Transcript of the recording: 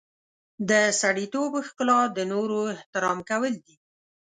د سړیتوب ښکلا د نورو احترام کول دي.